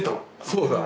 そうだ。